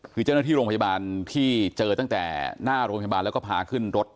คือเจ้าหน้าที่โรงพยาบาลที่เจอตั้งแต่หน้าโรงพยาบาลแล้วก็พาขึ้นรถ